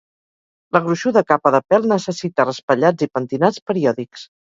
La gruixuda capa de pèl necessita raspallats i pentinats periòdics.